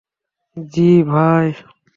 জ্বি, ভাই।